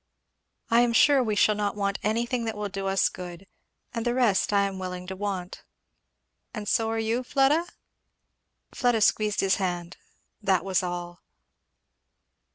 I am sure we shall not want anything that will do us good; and the rest I am willing to want and so are you, Fleda?" Fleda squeezed his hand, that was all.